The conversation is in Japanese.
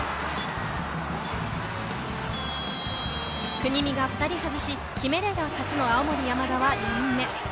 国見が２人外し、決めれば勝ちの青森山田は４人目。